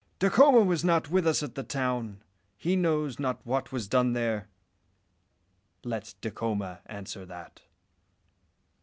"Dacoma was not with us at the town. He knows not what was done there." "Let Dacoma answer that."